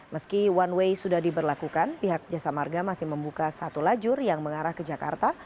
meski one way sudah diberlakukan pihak jasa marga masih membuka satu lajur yang mengarah ke jakarta